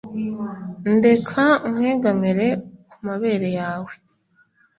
Ndeka nkwegamire kumabere yawe